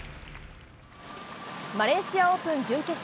マレーシアオープン準決勝。